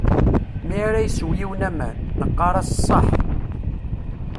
Mi ara isew yiwen aman, neqqar-as ṣaḥ.